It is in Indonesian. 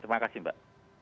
terima kasih mbak